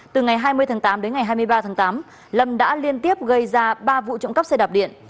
từ ngày hai mươi tháng tám đến ngày hai mươi ba tháng tám lâm đã liên tiếp gây ra ba vụ trộm cắp xe đạp điện